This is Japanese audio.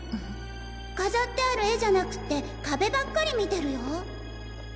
飾ってある絵じゃなくて壁ばっかり見てるよ